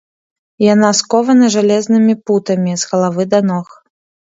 Яна скована жалезнымі путамі з галавы да ног.